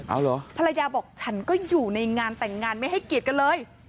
เอาเหรอภรรยาบอกฉันก็อยู่ในงานแต่งงานไม่ให้เกียรติกันเลย